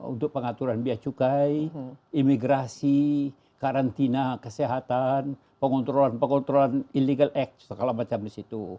untuk pengaturan biaya cukai imigrasi karantina kesehatan pengontrolan pengontrolan illegal act segala macam di situ